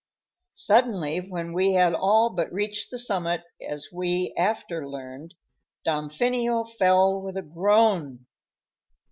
Suddenly, when we had all but reached the summit, as we after learned, Damfino fell with a groan.